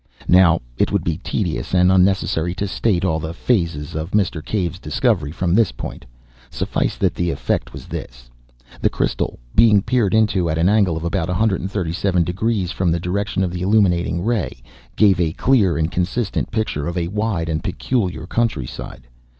Now, it would be tedious and unnecessary to state all the phases of Mr. Cave's discovery from this point. Suffice that the effect was this: the crystal, being peered into at an angle of about 137 degrees from the direction of the illuminating ray, gave a clear and consistent picture of a wide and peculiar countryside.